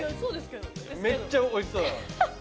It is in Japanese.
めっちゃおいしそうだろ。